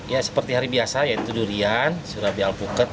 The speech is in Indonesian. ya seperti hari biasa yaitu durian surabi alpukat